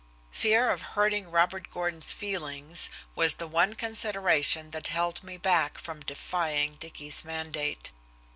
Fear of hurting Robert Gordon's feelings was the one consideration that held me back from defying Dicky's mandate.